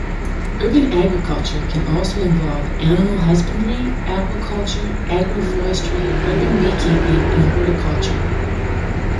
Urban agriculture can also involve animal husbandry, aquaculture, agroforestry, urban beekeeping, and horticulture.